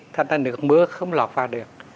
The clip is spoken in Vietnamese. thành ra nước mưa không lọt vào được